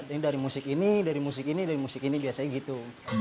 ini dari musik ini dari musik ini dari musik ini biasanya gitu